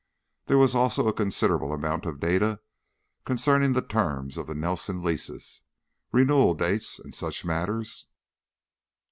There was also a considerable amount of data concerning the terms of the Nelson leases, renewal dates, and such matters.